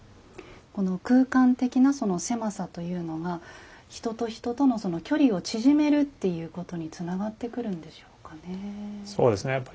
この空間的なその狭さというのが人と人とのその距離を縮めるっていうことにつながってくるんでしょうかね。